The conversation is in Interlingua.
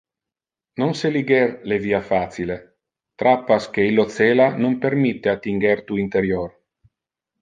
Non seliger le via facile, trappas que illo cela non permitte attinger tu interior.